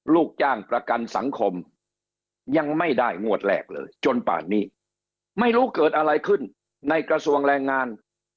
ลูกจ้างประกันสังคมยังไม่ได้งวดแรกเลยจนป่านนี้ไม่รู้เกิดอะไรขึ้นในกระทรวงแรงงาน